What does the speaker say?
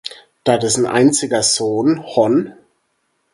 Da dessen einziger Sohn, Hon.